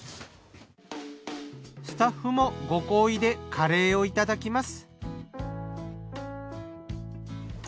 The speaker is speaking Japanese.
スタッフもご厚意でカレーをいただきます。